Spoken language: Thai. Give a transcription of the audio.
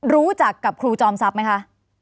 รู้จักกับครูจอมทรัพย์ไหมคะ